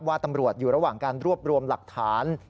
ตำรวจอยู่ระหว่างการรวบรวมหลักฐาน